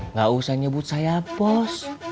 nggak usah nyebut saya pos